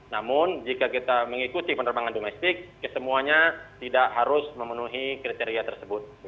namun jika kita mengikuti penerbangan domestik kesemuanya tidak harus memenuhi kriteria tersebut